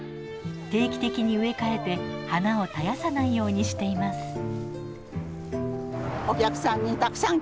定期的に植え替えて花を絶やさないようにしています。